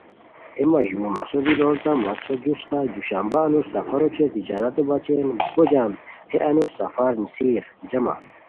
اے مہ ژور مسو دی لوڑیتام مس جوست دوشنبو انوس سفرو اوچے تجارتو بچین بو جم ہے انوس سفر نیسار جامہ